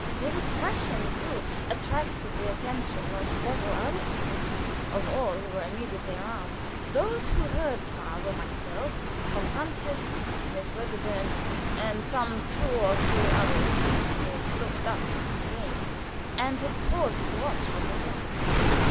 His expression, too, attracted the attention of several other people of all who were immediately around. Those who heard Karl were myself, von Francius, Miss Wedderburn, and some two or three others, who had looked up as he came, and had paused to watch what was coming.